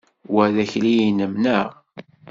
Wa d akli-inem, neɣ?